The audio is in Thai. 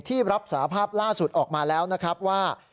ที่รับสาภาพล่าสุดออกมาแล้วว่า